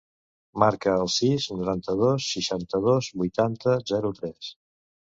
Marca el sis, noranta-dos, seixanta-dos, vuitanta, zero, tres.